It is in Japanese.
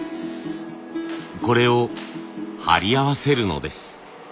これを貼り合わせるのです。